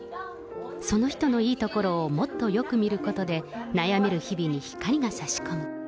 その人のいいところをもっとよく見ることで、悩める日々に光が差し込む。